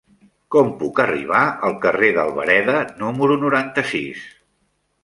Com puc arribar al carrer d'Albareda número noranta-sis?